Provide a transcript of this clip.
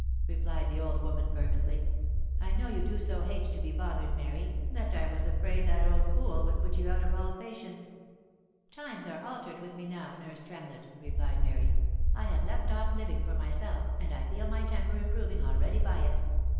replied the old woman, fervently, " I know you do so hate to be bothered, Mary, that I was afraid that old fool would put you out of all patience." " Times are altered with me now, nurse Tremlett," replied Mary ;" I have left off living for myself, and I feel my temper improving already by it.